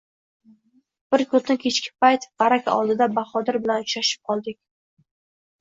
Bir kuni kechki payt barak oldida Bahodir bilan uchrashib qoldik.